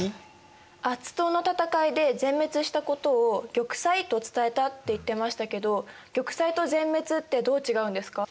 アッツ島の戦いで全滅したことを「玉砕」と伝えたって言ってましたけど「玉砕」と「全滅」ってどう違うんですか？